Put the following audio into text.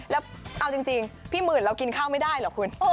แล้วเอาจริงพี่หมื่นเรากินข้าวไม่ได้เหรอคุณ